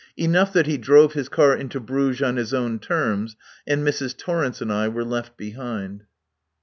Enough that he drove his car into Bruges on his own terms, and Mrs. Torrence and I were left behind.